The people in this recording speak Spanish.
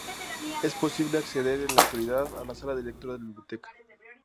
Es posible acceder en la actualidad a la sala de lectura de la biblioteca.